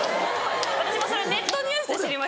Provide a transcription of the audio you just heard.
私もそれネットニュースで知りました。